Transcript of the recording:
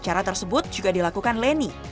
cara tersebut juga dilakukan leni